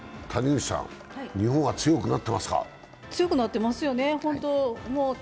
日本は強くなってますよね。